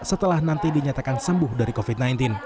setelah nanti dinyatakan sembuh dari covid sembilan belas